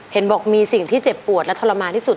เห็นบอกมีสิ่งที่เจ็บปวดและทรมานที่สุด